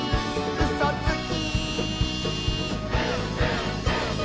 「うそつき！」